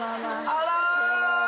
あら！